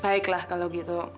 baiklah kalo gitu